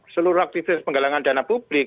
seluruh aktivis penggalangan dana publik